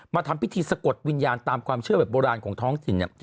ทำพิธีสะกดวิญญาณตามความเชื่อแบบโบราณของท้องถิ่นเนี่ย